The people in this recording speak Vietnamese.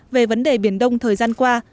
về vấn đề biển đông thời gian qua